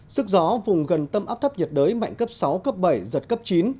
sức gió vùng gần tâm áp thấp nhiệt đới mạnh cấp sáu cấp bảy giật cấp chín